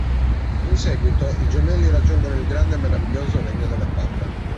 In seguito, i gemelli raggiungono il grande e meraviglioso Regno delle Fate.